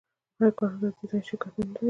آیا کاناډا د ډیزاین شرکتونه نلري؟